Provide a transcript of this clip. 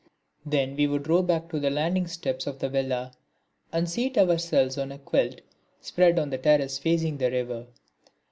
Then we would row back to the landing steps of the villa and seat ourselves on a quilt spread on the terrace facing the river.